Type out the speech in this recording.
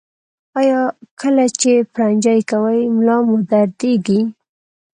ایا کله چې پرنجی کوئ ملا مو دردیږي؟